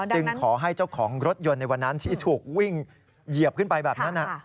ขอให้เจ้าของรถยนต์ในวันนั้นที่ถูกวิ่งเหยียบขึ้นไปแบบนั้น